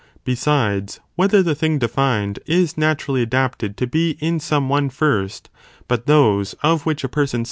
Besides, whether the thing defined is naturally adapted to be in some one first, but those of which a person.